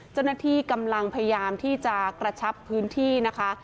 เจ้าหน้าที่กำลังพยายามที่จะกระชับพื้นที่นะคะ